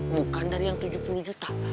bukan dari yang tujuh puluh juta